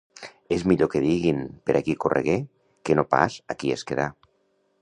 És millor que diguin: «per aquí corregué», que no pas «aquí es quedà».